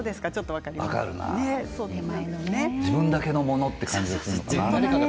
分かるな、自分だけのものという感じがするのかな。